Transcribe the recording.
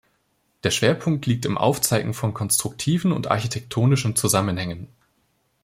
Der Schwerpunkt liegt im Aufzeigen von konstruktiven und architektonischen Zusammenhängen.